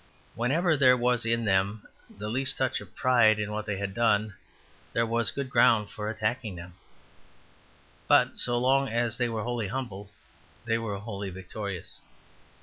Whenever there was in them the least touch of pride in what they had done, there was a good ground for attacking them; but so long as they were wholly humble, they were wholly victorious.